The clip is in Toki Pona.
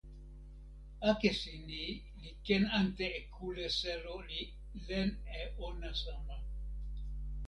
akesi ni li ken ante e kule selo li len e ona sama.